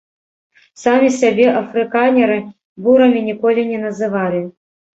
Самі сябе афрыканеры бурамі ніколі не называлі.